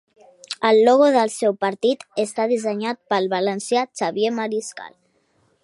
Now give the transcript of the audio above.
El logo del seu partit està dissenyat pel valencià Xavier Mariscal.